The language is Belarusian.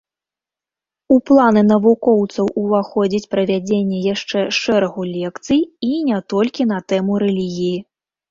У планы навукоўца уваходзіць правядзенне яшчэ шэрагу лекцый і не толькі на тэму рэлігіі.